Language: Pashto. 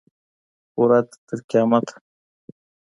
ورځ تر قیامته